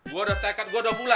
gue udah tekan gue dua bulan